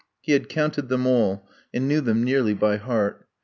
He had counted them all, and knew them nearly by heart.